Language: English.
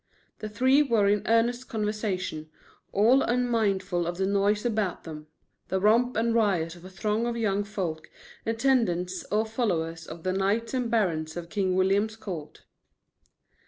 The three were in earnest conversation, all unmindful of the noise about them the romp and riot of a throng of young folk, attendants, or followers of the knights and barons of King William's court.